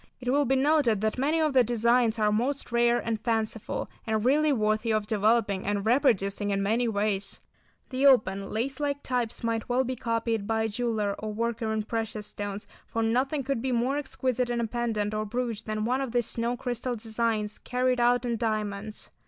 It will be noted that many of the designs are most rare and fanciful, and really worthy of developing and reproducing in many ways. The open, lace like types might well be copied by a jeweller or worker in precious stones, for nothing could be more exquisite in a pendant or brooch than one of these snow crystal designs carried out in diamonds.